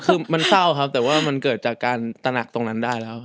คือมันเศร้าครับแต่ว่ามันเกิดจากการตระหนักตรงนั้นได้แล้ว